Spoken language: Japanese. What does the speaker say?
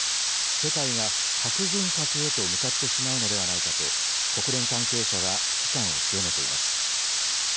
世界が核軍拡へと向かってしまうのではないかと国連関係者は危機感を強めています。